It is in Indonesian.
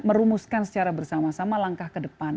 merumuskan secara bersama sama langkah ke depan